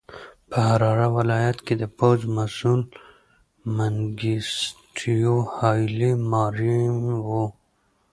په حراره ولایت کې د پوځ مسوول منګیسټیو هایلي ماریم و.